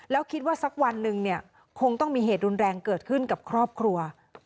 แล้วคิดว่าสักวันหนึ่งเนี่ยคงต้องมีเหตุรุนแรงเกิดขึ้นกับครอบครัว